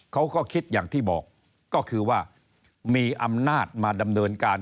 เขาก็คิดอย่างที่บอกก็คือว่ามีอำนาจมาดำเนินการ